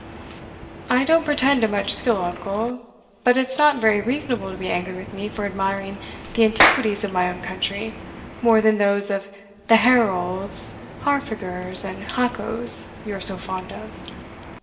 "I don't pretend to much skill, uncle; but it's not very reasonable to be angry with me for admiring the antiquities of my own country more than those of the Harolds, Harfagers, and Hacos you are so fond of."